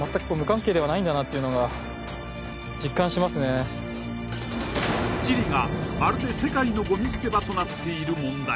ホントにチリがまるで世界のごみ捨て場となっている問題